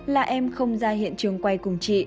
là em không ra hiện trường quay cùng chị